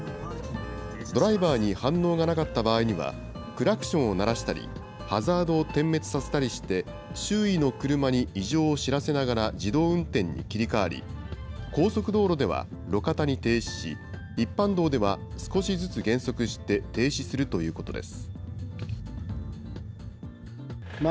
ドライバーに反応がなかった場合には、クラクションを鳴らしたり、ハザードを点滅させたりして、周囲の車に異常を知らせながら自動運転に切り替わり、高速道路では、路肩に停止し、一般道では少しずつ減速して停止するということです。